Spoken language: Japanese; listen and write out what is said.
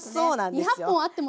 ２００本あっても。